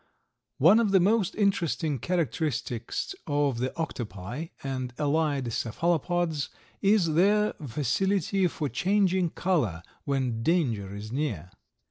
One of the most interesting characteristics of the Octopi and allied cephalopods is their facility for changing color when danger is near.